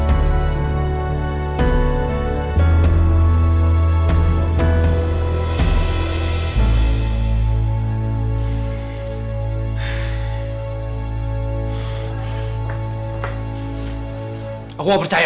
aku mau percaya